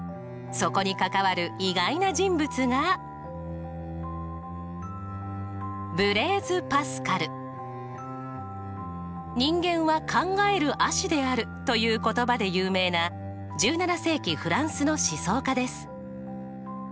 そこに関わる意外な人物が。という言葉で有名な１７世紀フランスの思想家です。